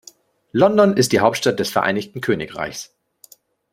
London ist die Hauptstadt des Vereinigten Königreichs.